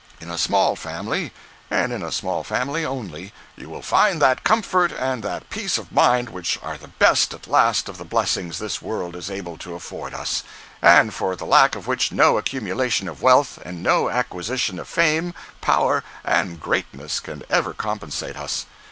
In a small family, and in a small family only, you will find that comfort and that peace of mind which are the best at last of the blessings this world is able to afford us, and for the lack of which no accumulation of wealth, and no acquisition of fame, power, and greatness can ever compensate us.